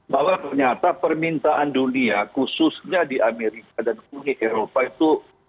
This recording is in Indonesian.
bahwa ternyata permintaan dunia khususnya di amerika dan uni eropa itu